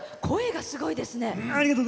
声がすごいですね。